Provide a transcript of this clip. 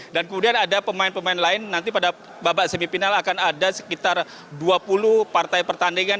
dan kemudian ada pemain pemain lain nanti pada babak semipinal akan ada sekitar dua puluh partai pertandingan